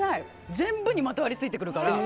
全部にまとわりついてくるから。